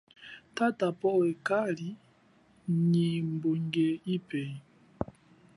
Tata powa kali nyi mbunge ipi.